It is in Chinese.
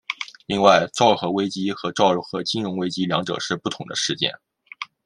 另外昭和危机跟昭和金融危机两者是不同的事件。